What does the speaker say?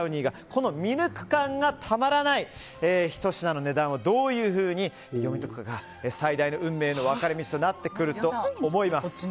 このミルク感がたまらないひと品の値段はどういうふうに読み解くかが最大の運命の分かれ道になると思います。